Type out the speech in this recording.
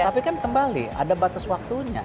tapi kan kembali ada batas waktunya